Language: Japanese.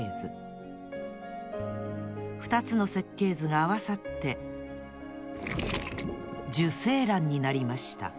ふたつの設計図があわさって受精卵になりました。